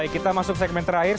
kita masuk segmen terakhir